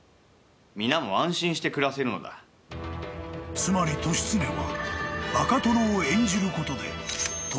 ［つまり利常は］